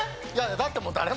だってもう誰も。